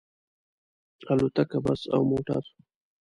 الوتکه، بس او موټر